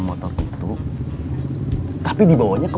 makasih ya bu